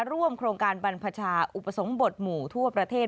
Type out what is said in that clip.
ร่วมโครงการบรรพชาอุปสมบทหมู่ทั่วประเทศ